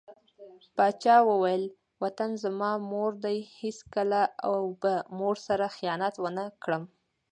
پاچا وويل: وطن زما مور دى هېڅکله او به مور سره خيانت ونه کړم .